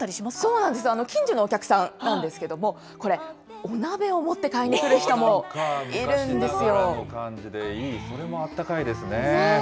そうなんです、近所のお客さんなんですけれども、これ、お鍋を持って買いに来る人もいるんですよ。